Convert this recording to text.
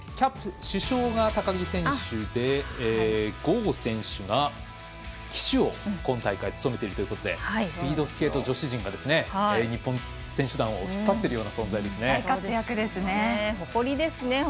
主将が高木選手で郷選手が旗手を今大会務められているということでスピードスケート女子陣が日本選手団を引っ張っているような存在ですね。